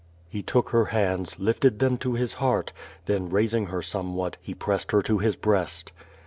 ^' He took her hands, lifted them to his heart, then raising her somewhat, he pressed her to his breast.